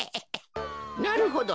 なるほど。